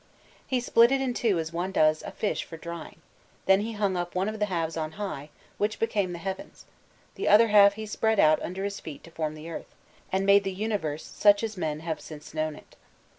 He split it in two as one does a fish for drying; then he hung up one of the halves on high, which became the heavens; the other half he spread out under his feet to form the earth, and made the universe such as men have since known it.